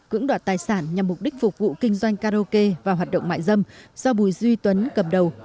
cưỡng đoạt tài sản nhằm mục đích phục vụ kinh doanh karaoke và hoạt động mại dâm do bùi duy tuấn cầm đầu